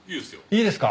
いいですか？